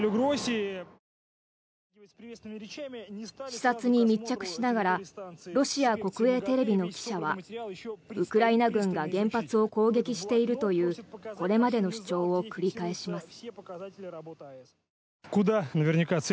視察に密着しながらロシア国営テレビの記者はウクライナ軍が原発を攻撃しているというこれまでの主張を繰り返します。